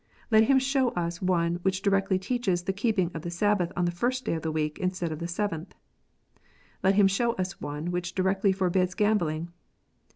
Let him show us one which directly teaches the keeping of the Sabbath 011 the first day of the week instead of the seventh. Let him show us one which directly forbids gambling.